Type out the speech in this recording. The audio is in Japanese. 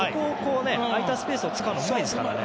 空いたスペースを使うのうまいですよね。